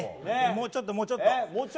もうちょっと、もうちょっと。